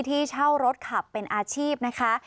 ที่เช่ารถขับเป็นอาชีพนะคะ